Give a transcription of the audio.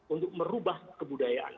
untuk merubah kebudayaan